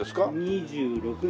２６年。